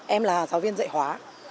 em là giáo viên dạy hóa